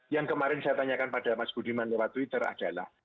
yang kemarin saya tanyakan pada mas budiman lewat twitter adalah